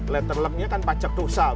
letter lucknya kan pajak dosa